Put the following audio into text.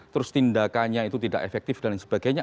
terus tindakannya itu tidak efektif dan lain sebagainya